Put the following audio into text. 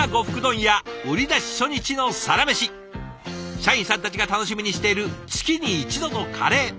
社員さんたちが楽しみにしている月に一度のカレー。